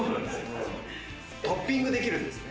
トッピングできるんですね。